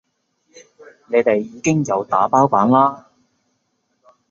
你哋已經有打包版啦